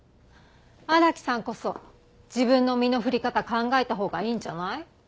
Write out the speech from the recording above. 荒木さんこそ自分の身の振り方考えたほうがいいんじゃない？